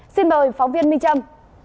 xin mời phóng viên minh trâm